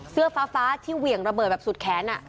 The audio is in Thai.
เสื้อฟ้าที่เหวี่ยงระเบิดแบบสุดแขน